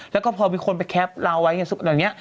แล้วก็พอมีคนไปแคปเราไว้ไงตอนนี้